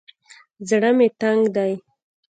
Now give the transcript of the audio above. زړه مې تنګ دى.